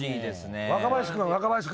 若林君若林君。